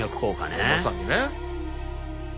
まさにね。